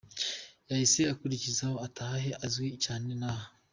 Yahise akurikizaho ’Ataha he’ izwi cyane inaha.